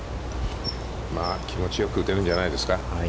気持ちよく打てるんじゃないですか。